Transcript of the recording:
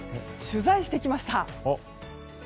取材してきました。